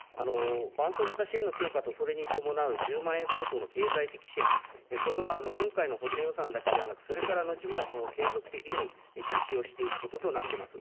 伴走型支援の強化と、それに伴う１０万円相当の経済的支援、これは今回の補正予算だけではなく、それから後も継続的に実施をしていくこととなっています。